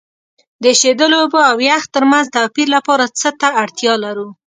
د ایشیدلو اوبو او یخ ترمنځ توپیر لپاره څه ته اړتیا لرو؟